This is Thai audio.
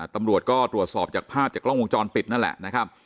ตำรวจก็ตรวจสอบจากภาพจากกล้องวงจรปิดนั่นแหละนะครับ